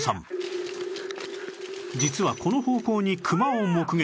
実はこの方向にクマを目撃